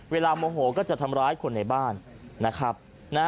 เวลาโมโหก็จะทำร้ายคนในบ้าน